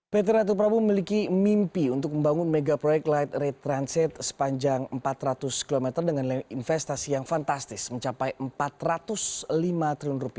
pt ratu prabu memiliki mimpi untuk membangun mega proyek light rate transit sepanjang empat ratus km dengan investasi yang fantastis mencapai rp empat ratus lima triliun